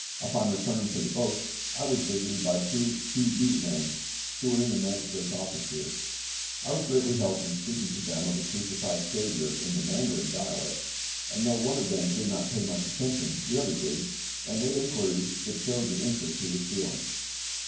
Upon returning to the boats, I was visited by two CHIH LI men, who are in the magistrate's office here. I was greatly helped in speaking to them of a crucified SAVIOUR in the Mandarin dialect; and though one of them did not pay much attention, the other did, and made inquiries that showed the interest he was feeling.